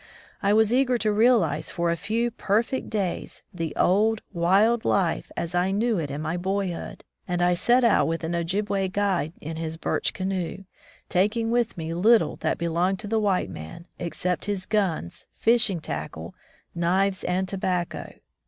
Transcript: I was eager to realize for a few perfect days the old, wild life as I knew it in my boyhood, and I set out with an Ojibway guide in his birch canoe, taking with me little that belonged to the white man, except his guns, fishing tackle, knives, and tobacco.